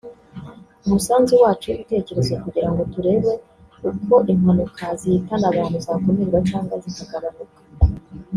umusanzu wacu w’ibitekerezo kugira ngo turebe uko impanuka zihitana abantu zakumirwa cyangwa zikagabanuka